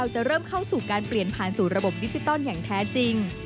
จะเริ่มเข้าสู่การเปลี่ยนผ่านสู่ระบบดิจิตอลอย่างแท้จริง